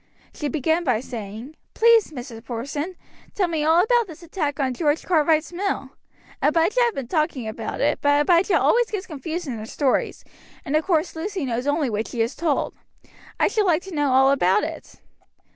She began by saying, 'Please, Mrs. Porson, tell me all about this attack on George Cartwright's mill; Abijah and Lucy have been talking about it, but Abijah always gets confused in her stories, and of course Lucy knows only what she is told. I should like to know all about it.'